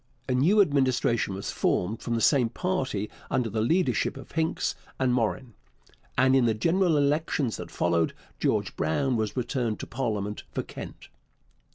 A new Administration was formed from the same party under the leadership of Hincks and Morin, and in the general elections that followed George Brown was returned to parliament for Kent.